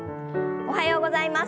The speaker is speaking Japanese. おはようございます。